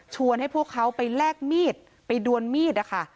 ให้พวกเขาไปแลกมีดไปดวนมีดนะคะ